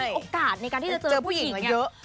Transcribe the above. โอกาสในการที่จะเจอผู้หญิงเยอะ